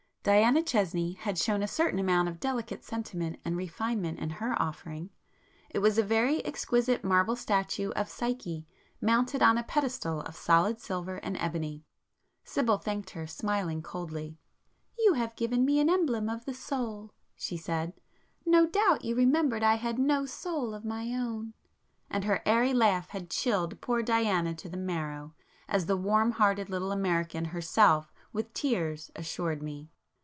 Diana Chesney had shown a certain amount of delicate sentiment and refinement in her offering,—it was a very exquisite marble statue of Psyche, mounted on a pedestal of solid silver and ebony. Sibyl thanked her, smiling coldly. "You have given me an emblem of the Soul,"—she said; "No doubt you remembered I have no soul of my own!" And her airy laugh had chilled poor Diana 'to the marrow,' as the warm hearted little American herself, with tears, assured me.